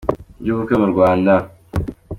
y’ubukwe mu Rwanda.